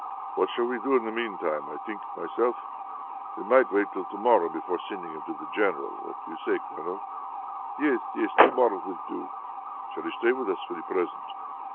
"What shall we do in the meantime? I think myself we might wait till to morrow before sending him to the general. What do you say, Colonel?" "Yes, yes, to morrow will do." "Shall he stay with us for the present?"